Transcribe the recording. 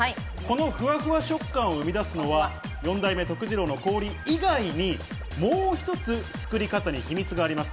ふわふわ食感を生み出すのは四代目徳次郎の氷以外にもう一つ、作り方に秘密があります。